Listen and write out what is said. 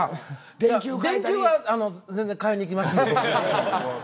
電球は全然替えに行きますんで僕。